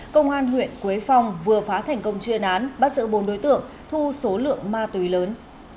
công an huyện quế phong vừa phá thành công chuyên án bắt giữ bốn đối tượng thu số lượng ma túy lớn